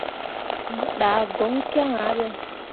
Mo ɗah goŋ kyaŋ ah ɓe.